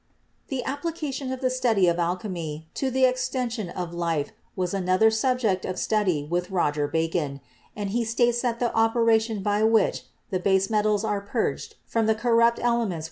The application of the study of alchemy to the exten sion of life was another subject of study with Roger THE EARLY ALCHEMISTS 37 Bacon, and he states that the operation by which the base metals are purged from the corrupt elements which they Fig.